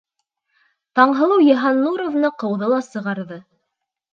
Таңһылыу Йыһаннуровна ҡыуҙы ла сығарҙы.